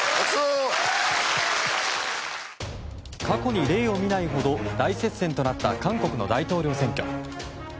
過去に例を見ないほど大接戦となった韓国の大統領選。